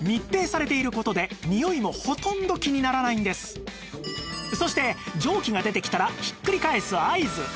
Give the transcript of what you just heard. そうそして蒸気が出てきたらひっくり返す合図